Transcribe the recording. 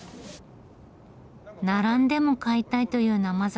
並んでも買いたいという生酒。